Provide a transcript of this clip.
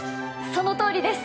そのとおりです